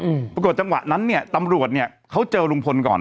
อืมปรากฏจังหวะนั้นเนี้ยตำรวจเนี้ยเขาเจอลุงพลก่อน